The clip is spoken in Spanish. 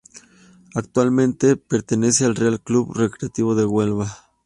Actualmente pertenece al Real Club Recreativo de Huelva.